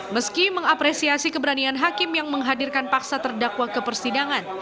meski mengapresiasi keberanian hakim yang menghadirkan paksa terdakwa ke persidangan